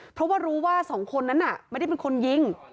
เพราะว่ารู้ว่าสองคนนั้นน่ะไม่ได้เป็นคนยิง